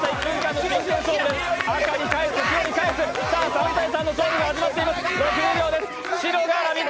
３−３の勝負が始まっています。